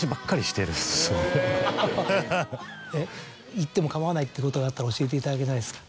言っても構わないことがあったら教えていただけないですか。